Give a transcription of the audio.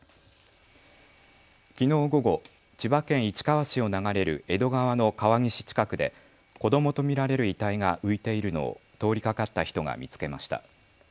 きのう午後、千葉県市川市を流れる江戸川の川岸近くで子どもと見られる遺体が浮いているのを通りかかった人が見つけました。